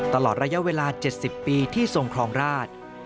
ตลอดระยะเวลา๗๐ปีที่ทรงครองราช